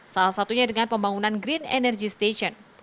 salah satunya dengan pembangunan green energy station